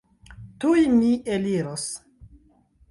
Tuj mi eliros.